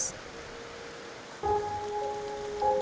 mereka beruntung hari hari ini